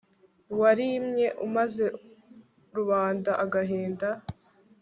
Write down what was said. warimye umaze rubanda agahinda